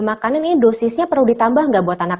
makanan ini dosisnya perlu ditambah nggak buat anak